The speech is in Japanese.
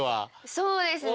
そうですね。